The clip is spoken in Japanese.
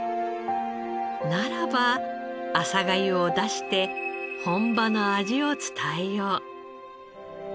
ならば朝粥を出して本場の味を伝えよう。